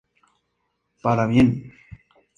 Para bien.